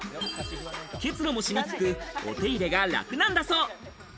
結露もしにくく、お手入れが楽なんだそう。